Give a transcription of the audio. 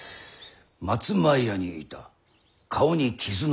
松前屋にいた顔に傷のある男。